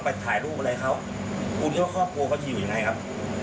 ไปถ่ายรูปอะไรเขาคุณเที่ยวครอบครัวเขาจะอยู่อย่างไรครับ